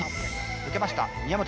受けました宮本。